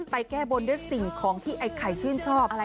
ไปแก้บนสิ่งของที่ไข้ชื่นชอบ